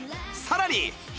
さらに